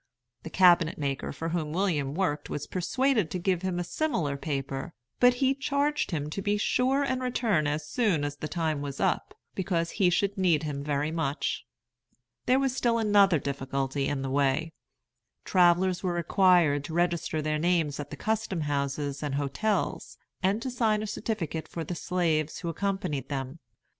The cabinet maker for whom William worked was persuaded to give him a similar paper, but he charged him to be sure and return as soon as the time was up, because he should need him very much. There was still another difficulty in the way. Travellers were required to register their names at the custom houses and hotels, and to sign a certificate for the slaves who accompanied them.